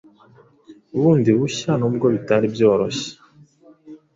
bundi bushya n’ubwo bitari byoroshye,